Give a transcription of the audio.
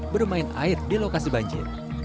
bermain air di lokasi banjir